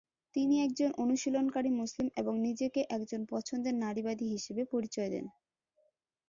তিনি একজন অনুশীলনকারী মুসলিম এবং নিজেকে একজন পছন্দের নারীবাদী হিসেবে পরিচয় দেন।